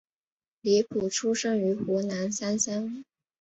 李普出生于湖南湘乡。